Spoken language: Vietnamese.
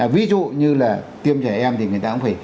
ví dụ như là tiêm trẻ em thì người ta cũng phải